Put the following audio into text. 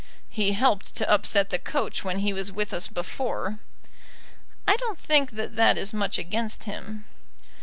"He helped to upset the coach when he was with us before." "I don't think that that is much against him."